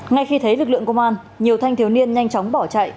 ngay khi thấy lực lượng công an nhiều thanh thiếu niên nhanh chóng bỏ chạy